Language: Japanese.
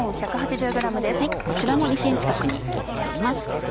こちらも２ｃｍ角に切ってあります。